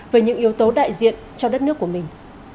về những yếu tố đại diện cho đất nước của mình